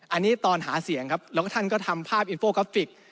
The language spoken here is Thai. อันนี้ตอนหาเสียงครับแล้วก็ท่านก็ทำภาพอินโฟกราฟิก